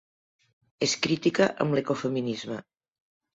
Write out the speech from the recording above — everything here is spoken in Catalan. És crítica amb l'ecofeminisme.